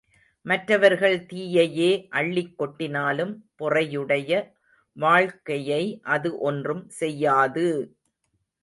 மற்றவர்கள் தீயையே அள்ளிக் கொட்டினாலும் பொறையுடைய வாழ்க்கையை அது ஒன்றும் செய்யாது!